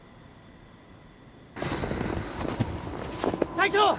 隊長！